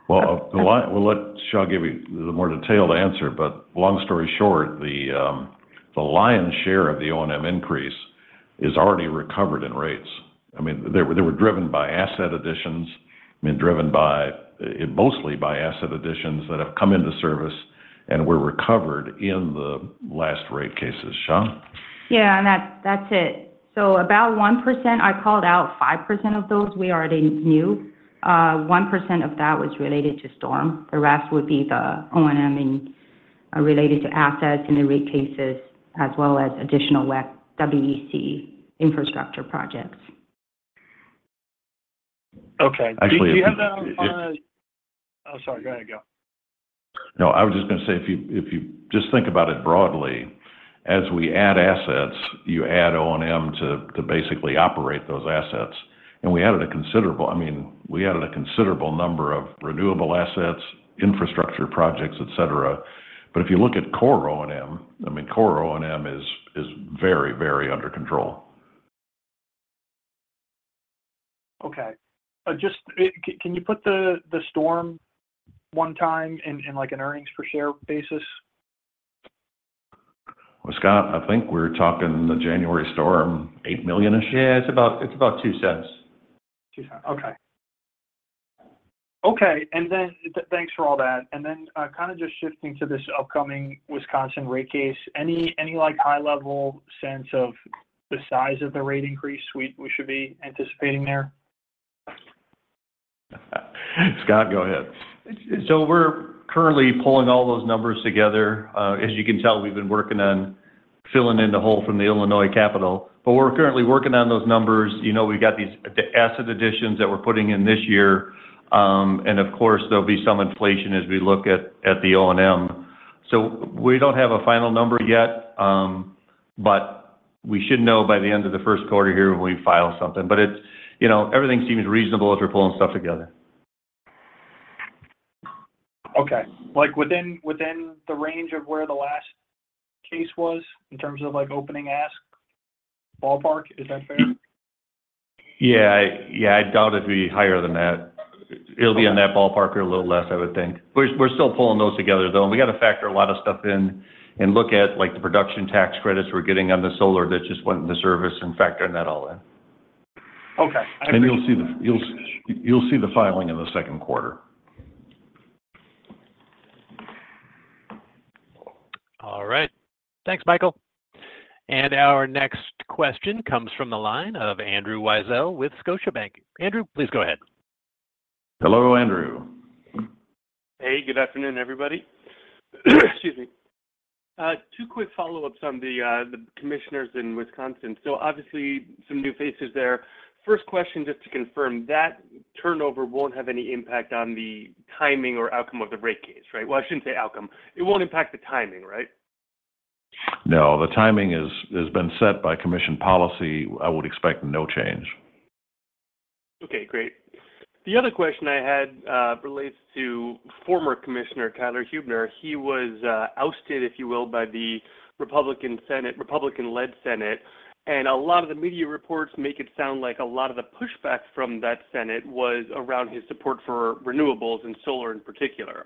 Well, a lot—we'll let Xia give you the more detailed answer, but long story short, the, the lion's share of the O&M increase is already recovered in rates. I mean, they were, they were driven by asset additions, and driven by, mostly by asset additions that have come into service and were recovered in the last rate cases. Xia? Yeah, and that's, that's it. So about 1%, I called out 5% of those, we already knew. One percent of that was related to storm. The rest would be the O&M and related to assets in the rate cases, as well as additional web-- WEC Infrastructure projects. Okay. Actually, do you have the- Do you have the... Oh, sorry. Go ahead, Gale. No, I was just going to say, if you, if you just think about it broadly, as we add assets, you add O&M to, to basically operate those assets. And we added a considerable, I mean, we added a considerable number of renewable assets, infrastructure projects, et cetera. But if you look at core O&M, I mean, core O&M is, is very, very under control. Okay. Just, can you put the storm one time in, like, an earnings per share basis? Well, Scott, I think we're talking the January storm, $8 million-ish? Yeah, it's about, it's about $0.02. Two cents. Okay. Okay, and then thanks for all that. And then, kind of just shifting to this upcoming Wisconsin rate case, any, any, like, high-level sense of the size of the rate increase we, we should be anticipating there? Scott, go ahead. So we're currently pulling all those numbers together. As you can tell, we've been working on filling in the hole from the Illinois capital. But we're currently working on those numbers. You know, we've got these, the asset additions that we're putting in this year, and of course, there'll be some inflation as we look at the O&M. So we don't have a final number yet, but we should know by the end of Q1 here when we file something. But it's, you know, everything seems reasonable as we're pulling stuff together. Okay. Like, within the range of where the last case was in terms of, like, opening ask ballpark? Is that fair? Yeah. Yeah, I doubt it'd be higher than that. It'll be in that ballpark or a little less, I would think. We're still pulling those together, though, and we got to factor a lot of stuff in and look at, like, the production tax credits we're getting on the solar that just went in the service and factoring that all in. Okay. I appreciate that. You'll see the filing in Q2. All right. Thanks, Michael. Our next question comes from the line of Andrew Weisel with Scotiabank. Andrew, please go ahead. Hello, Andrew. Hey, good afternoon, everybody. Excuse me. Two quick follow-ups on the commissioners in Wisconsin. So obviously, some new faces there. First question, just to confirm, that turnover won't have any impact on the timing or outcome of the rate case, right? Well, I shouldn't say outcome. It won't impact the timing, right? No, the timing has been set by commission policy. I would expect no change. Okay, great. The other question I had relates to former Commissioner Tyler Huebner. He was ousted, if you will, by the Republican Senate, Republican-led Senate, and a lot of the media reports make it sound like a lot of the pushback from that Senate was around his support for renewables and solar in particular.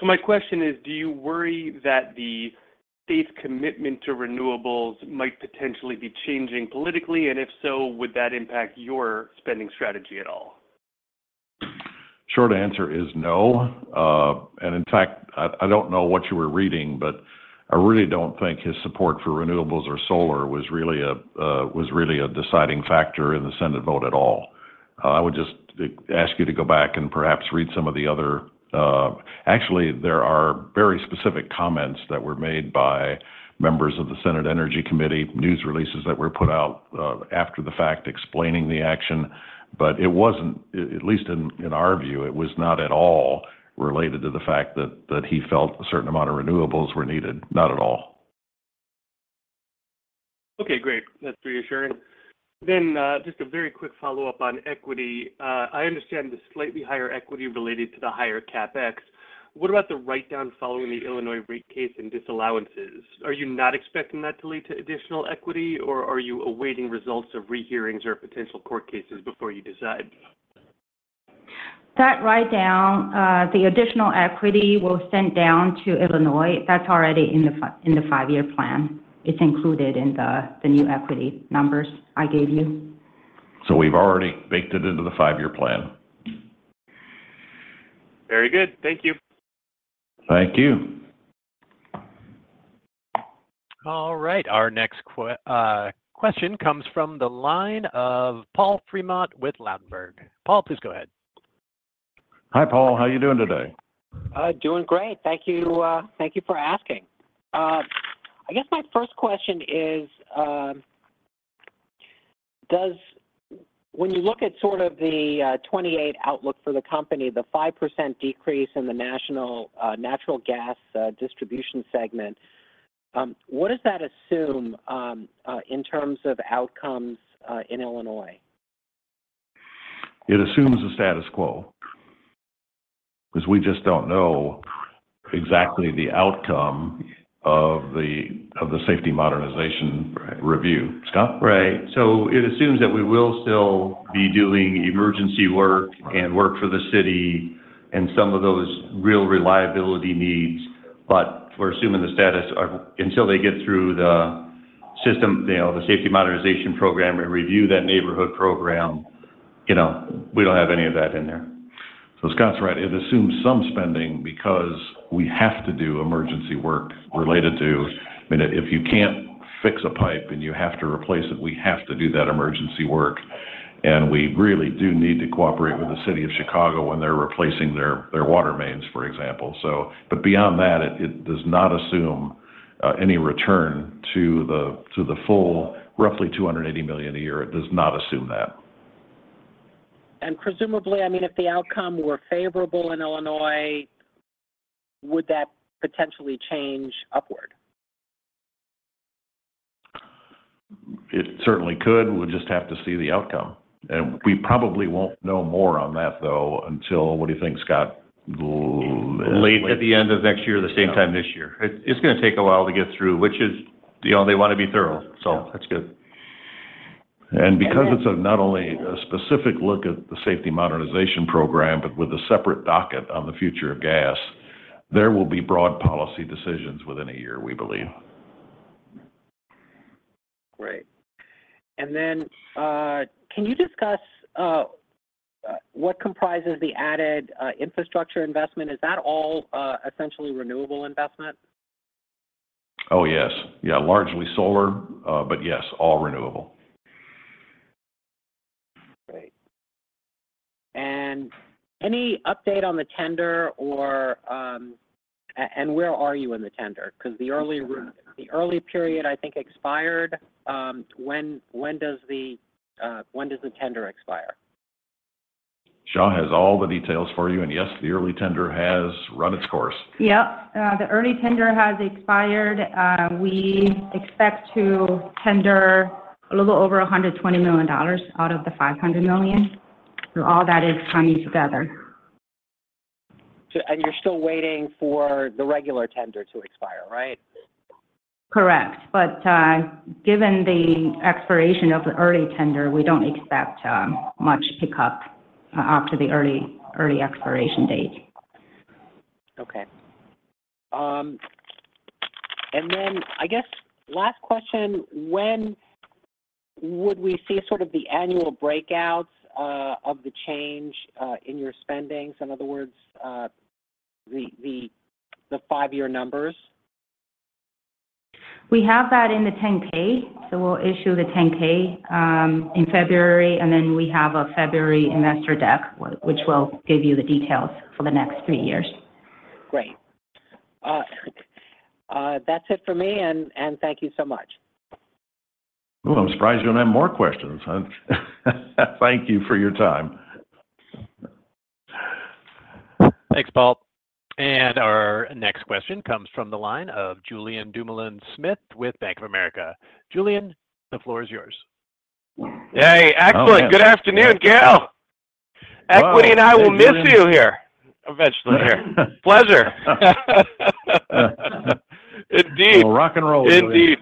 So my question is, do you worry that the state's commitment to renewables might potentially be changing politically? And if so, would that impact your spending strategy at all? Short answer is no. And in fact, I don't know what you were reading, but I really don't think his support for renewables or solar was really a deciding factor in the Senate vote at all. I would just ask you to go back and perhaps read some of the other... Actually, there are very specific comments that were made by members of the Senate Energy Committee, news releases that were put out, after the fact, explaining the action, but it wasn't, at least in our view, it was not at all related to the fact that he felt a certain amount of renewables were needed. Not at all. Okay, great. That's reassuring. Then, just a very quick follow-up on equity. I understand the slightly higher equity related to the higher CapEx. What about the write-down following the Illinois rate case and disallowances? Are you not expecting that to lead to additional equity, or are you awaiting results of rehearings or potential court cases before you decide? That write-down, the additional equity we'll send down to Illinois, that's already in the five-year plan. It's included in the new equity numbers I gave you. We've already baked it into the five-year plan. Very good. Thank you. Thank you. All right. Our next question comes from the line of Paul Fremont with Ladenburg Thalmann. Paul, please go ahead. Hi, Paul. How are you doing today? Doing great. Thank you, thank you for asking. I guess my first question is, does, when you look at sort of the 2028 outlook for the company, the 5% decrease in the national natural gas distribution segment, what does that assume in terms of outcomes in Illinois? It assumes the status quo, because we just don't know exactly the outcome of the safety modernization- Right. -review. Scott? Right. So it assumes that we will still be doing emergency work and work for the city and some of those real reliability needs, but we're assuming the status of, until they get through the system, the Safety Modernization Program and review that neighborhood program, you know, we don't have any of that in there. So Scott's right. It assumes some spending because we have to do emergency work related to... I mean, if you can't fix a pipe and you have to replace it, we have to do that emergency work, and we really do need to cooperate with the city of Chicago when they're replacing their water mains, for example. But beyond that, it does not assume any return to the full, roughly $280 million a year. It does not assume that. And presumably, I mean, if the outcome were favorable in Illinois, would that potentially change upward? It certainly could. We'll just have to see the outcome. We probably won't know more on that, though, until, what do you think, Scott? Late at the end of next year, the same time this year. It's gonna take a while to get through, which is, you know, they want to be thorough, so that's good. Because it's a, not only a specific look at the Safety Modernization Program, but with a separate docket on the future of gas, there will be broad policy decisions within a year, we believe. Great. And then, can you discuss what comprises the added infrastructure investment? Is that all essentially renewable investment? Oh, yes. Yeah, largely solar, but yes, all renewable. Great. And any update on the tender or and where are you in the tender? 'Cause the early period, I think, expired. When does the tender expire? Xia has all the details for you, and yes, the early tender has run its course. Yep, the early tender has expired. We expect to tender a little over $120 million out of the $500 million. So all that is coming together. And you're still waiting for the regular tender to expire, right? Correct. But, given the expiration of the early tender, we don't expect much pickup after the early expiration date. Okay. And then, I guess, last question, when would we see sort of the annual breakouts of the change in your spending? So in other words, the five-year numbers? We have that in the 10-K, so we'll issue the 10-K in February, and then we have a February investor deck, which will give you the details for the next three years. Great. That's it for me, and thank you so much. Oh, I'm surprised you don't have more questions. Thank you for your time. Thanks, Paul. Our next question comes from the line of Julien Dumoulin-Smith with Bank of America. Julien, the floor is yours. Hey, excellent. Oh, yes. Good afternoon, Gale! Well, hey, Julien. Equity, and I will miss you here, eventually here. Pleasure. Indeed. Well, rock and roll- Indeed.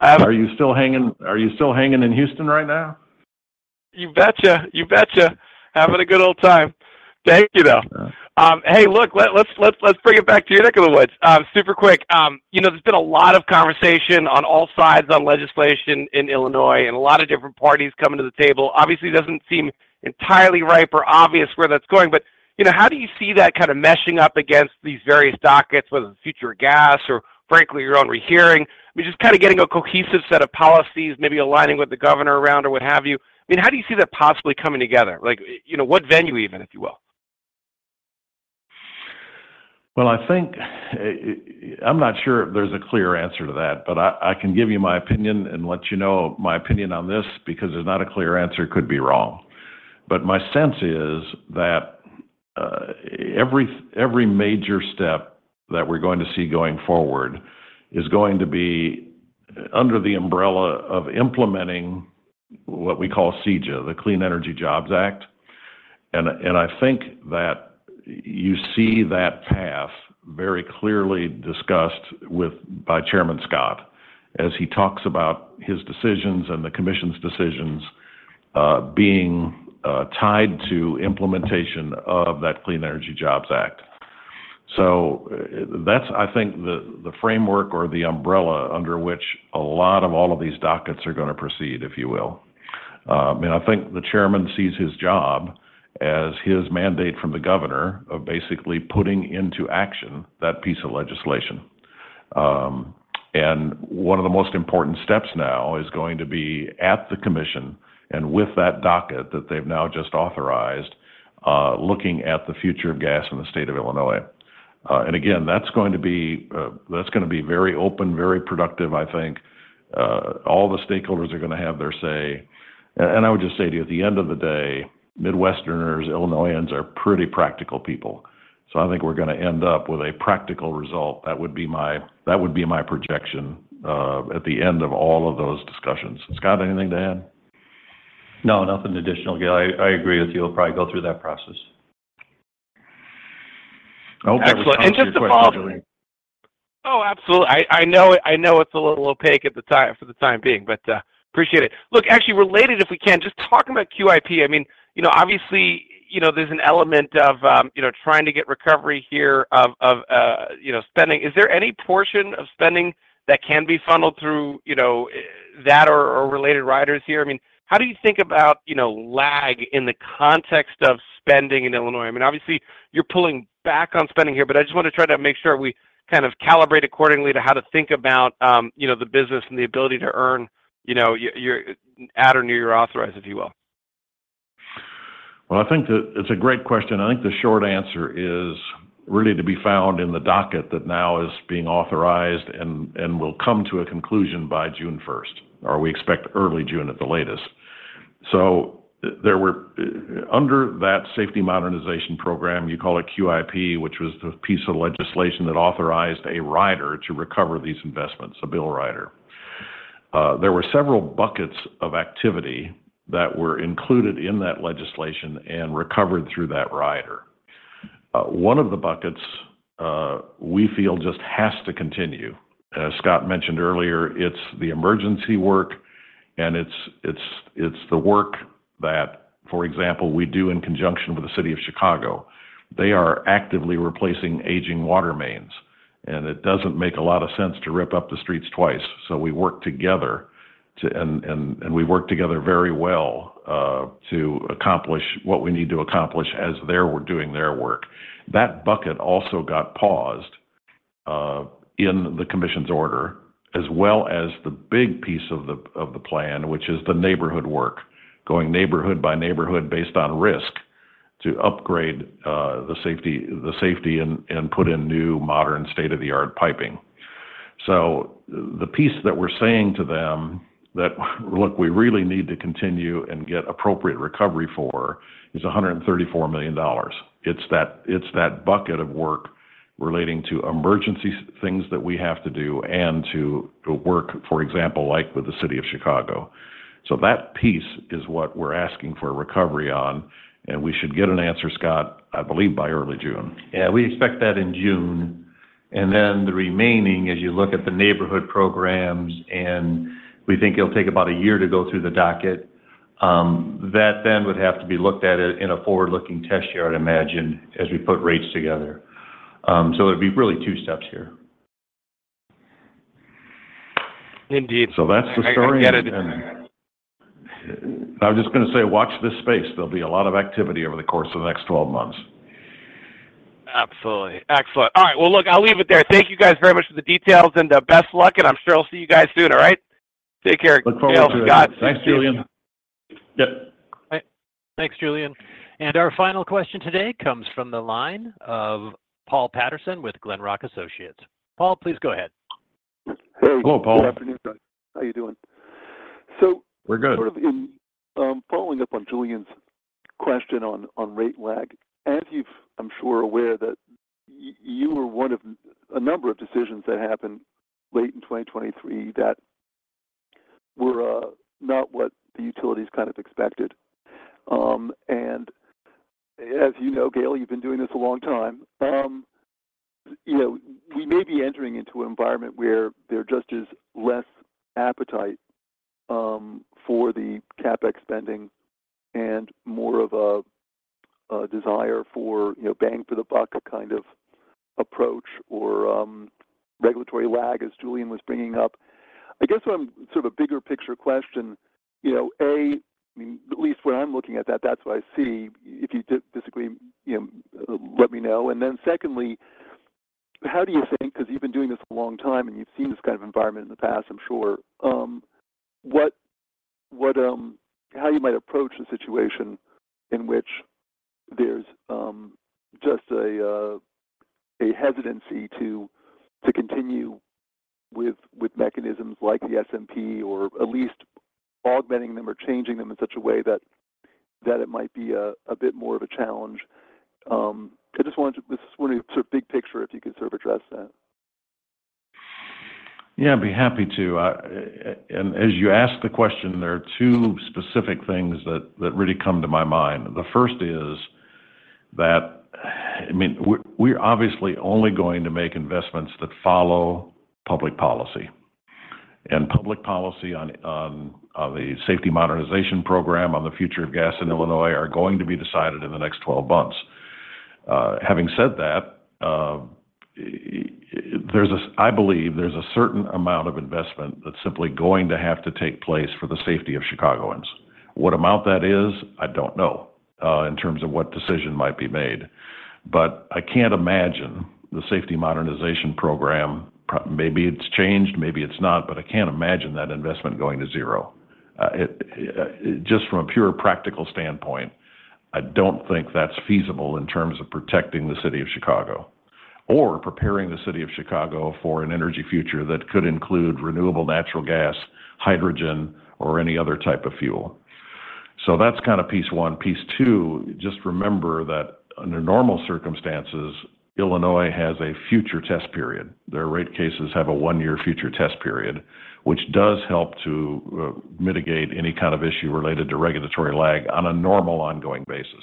Are you still hanging in Houston right now? You betcha, you betcha. Having a good old time. Thank you, though. Yeah. Hey, look, let's bring it back to your neck of the woods. Super quick, you know, there's been a lot of conversation on all sides on legislation in Illinois and a lot of different parties coming to the table. Obviously, it doesn't seem entirely ripe or obvious where that's going, but, you know, how do you see that kind of meshing up against these various dockets, whether it's future gas or frankly, your own rehearing? I mean, just kind of getting a cohesive set of policies, maybe aligning with the governor around or what have you. I mean, how do you see that possibly coming together? Like, you know, what venue even, if you will? Well, I think, I'm not sure if there's a clear answer to that, but I can give you my opinion and let you know my opinion on this, because there's not a clear answer, could be wrong. But my sense is that every major step that we're going to see going forward is going to be under the umbrella of implementing what we call CEJA, the Clean Energy Jobs Act. And I think that you see that path very clearly discussed by Chairman Scott, as he talks about his decisions and the commission's decisions being tied to implementation of that Clean Energy Jobs Act. So that's, I think, the framework or the umbrella under which a lot of all of these dockets are gonna proceed, if you will. And I think the chairman sees his job as his mandate from the governor of basically putting into action that piece of legislation. And one of the most important steps now is going to be at the commission, and with that docket that they've now just authorized, looking at the future of gas in the state of Illinois. And again, that's going to be, that's gonna be very open, very productive, I think. All the stakeholders are gonna have their say. And I would just say to you, at the end of the day, Midwesterners, Illinoisans are pretty practical people. So I think we're gonna end up with a practical result. That would be my, that would be my projection, at the end of all of those discussions. Scott, anything to add? No, nothing additional, Gale. I agree with you. We'll probably go through that process. I hope I answered your question, Julien. Oh, absolutely. I, I know, I know it's a little opaque at the time, for the time being, but, appreciate it. Look, actually, related if we can, just talking about QIP, I mean, you know, obviously, you know, there's an element of, you know, trying to get recovery here of, of, you know, spending. Is there any portion of spending that can be funneled through, you know, that or, or related riders here? I mean, how do you think about, you know, lag in the context of spending in Illinois? I mean, obviously, you're pulling back on spending here, but I just want to try to make sure we kind of calibrate accordingly to how to think about, you know, the business and the ability to earn, you know, your, your at or near your authorized, if you will. Well, I think that it's a great question. I think the short answer is really to be found in the docket that now is being authorized and will come to a conclusion by June first, or we expect early June at the latest. So there were under that Safety Modernization Program, you call it QIP, which was the piece of legislation that authorized a rider to recover these investments, a bill rider. There were several buckets of activity that were included in that legislation and recovered through that rider. One of the buckets we feel just has to continue. As Scott mentioned earlier, it's the emergency work, and it's the work that, for example, we do in conjunction with the city of Chicago. They are actively replacing aging water mains, and it doesn't make a lot of sense to rip up the streets twice, so we work together to and we work together very well to accomplish what we need to accomplish as they're doing their work. That bucket also got paused in the commission's order, as well as the big piece of the plan, which is the neighborhood work, going neighborhood by neighborhood based on risk to upgrade the safety and put in new, modern, state-of-the-art piping. So the piece that we're saying to them that, look, we really need to continue and get appropriate recovery for is $134 million. It's that bucket of work relating to emergency things that we have to do and to work, for example, like with the city of Chicago. That piece is what we're asking for a recovery on, and we should get an answer, Scott, I believe, by early June. Yeah, we expect that in June, and then the remaining, as you look at the neighborhood programs, and we think it'll take about a year to go through the docket. That then would have to be looked at it in a forward-looking test year, I'd imagine, as we put rates together. So it'd be really two steps here. Indeed. So that's the story. Got it. I was just going to say, watch this space. There'll be a lot of activity over the course of the next 12 months. Absolutely. Excellent. All right, well, look, I'll leave it there. Thank you guys very much for the details, and best luck, and I'm sure I'll see you guys soon, all right? Take care. Look forward to it. Scott. Thanks, Julien. Yep. Thanks, Julien. Our final question today comes from the line of Paul Patterson with Glenrock Associates. Paul, please go ahead. Hello, Paul. Hey, good afternoon, guys. How you doing? So- We're good. Following up on Julien's question on, on rate lag, as you're, I'm sure, aware that you were one of a number of decisions that happened late in 2023 that were, not what the utilities kind of expected. And as you know, Gale, you've been doing this a long time, you know, we may be entering into an environment where there just is less appetite, for the CapEx spending and more of a, a desire for, you know, bang for the buck kind of approach or, regulatory lag, as Julien was bringing up. I guess I'm sort of a bigger picture question: you know, A, at least where I'm looking at that, that's what I see. If you did physically, you know, let me know. Secondly, how do you think, because you've been doing this a long time, and you've seen this kind of environment in the past, I'm sure, how you might approach a situation in which there's just a hesitancy to continue with mechanisms like the SMP, or at least augmenting them or changing them in such a way that it might be a bit more of a challenge? I just wanted to, just wanted to sort of big picture, if you could sort of address that. Yeah, I'd be happy to. And as you ask the question, there are two specific things that, that really come to my mind. The first is that, I mean, we're obviously only going to make investments that follow public policy. And public policy on the Safety Modernization Program, on the future of gas in Illinois, are going to be decided in the next 12 months. Having said that, I believe there's a certain amount of investment that's simply going to have to take place for the safety of Chicagoans. What amount that is, I don't know, in terms of what decision might be made, but I can't imagine the Safety Modernization Program, maybe it's changed, maybe it's not, but I can't imagine that investment going to zero. Just from a pure practical standpoint, I don't think that's feasible in terms of protecting the city of Chicago or preparing the city of Chicago for an energy future that could include renewable natural gas, hydrogen, or any other type of fuel. So that's kind of piece one. Piece two, just remember that under normal circumstances, Illinois has a future test period. Their rate cases have a one-year future test period, which does help to mitigate any kind of issue related to regulatory lag on a normal ongoing basis.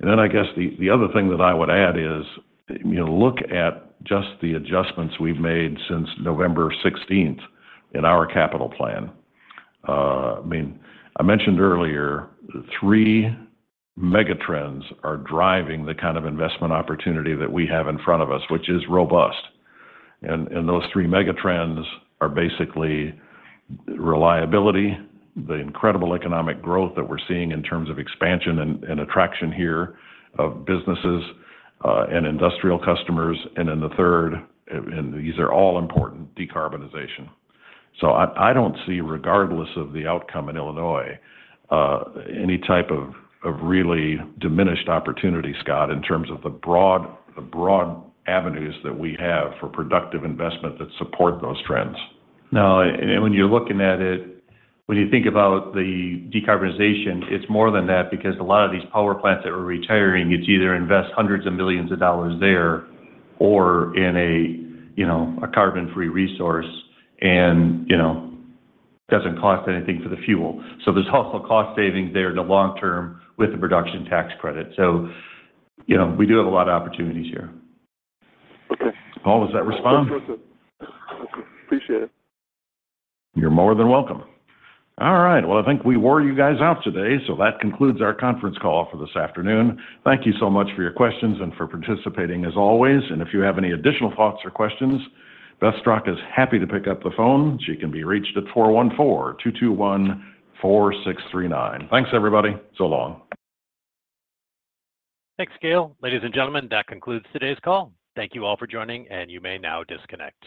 And then I guess the, the other thing that I would add is, you know, look at just the adjustments we've made since November sixteenth in our capital plan. I mean, I mentioned earlier, three megatrends are driving the kind of investment opportunity that we have in front of us, which is robust. Those three megatrends are basically reliability, the incredible economic growth that we're seeing in terms of expansion and attraction here of businesses and industrial customers, and then the third, and these are all important, decarbonization. So I, I don't see, regardless of the outcome in Illinois, any type of really diminished opportunity, Scott, in terms of the broad avenues that we have for productive investment that support those trends. No, and when you're looking at it, when you think about the decarbonization, it's more than that, because a lot of these power plants that we're retiring, it's either invest 100s of millions of dollars there or in a, you know, a carbon-free resource, and, you know, doesn't cost anything for the fuel. So there's also cost savings there in the long term with the Production Tax Credit. So, you know, we do have a lot of opportunities here. Okay. Paul, does that respond? Appreciate it. You're more than welcome. All right, well, I think we wore you guys out today, so that concludes our conference call for this afternoon. Thank you so much for your questions and for participating, as always, and if you have any additional thoughts or questions, Beth Straka is happy to pick up the phone. She can be reached at 414-221-4639. Thanks, everybody. So long. Thanks, Gale. Ladies and gentlemen, that concludes today's call. Thank you all for joining, and you may now disconnect.